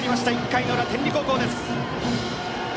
１回の裏、天理高校です。